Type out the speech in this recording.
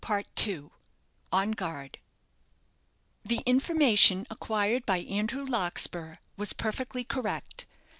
The information acquired by Andrew Larkspur was perfectly correct.